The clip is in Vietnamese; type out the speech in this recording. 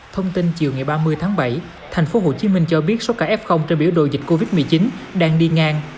thông tin chiều ngày ba mươi tháng bảy tp hcm cho biết số ca f trên biểu đồ dịch covid một mươi chín đang đi ngang